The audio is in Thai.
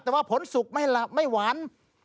แต่ว่าผลสุกไม่หวาน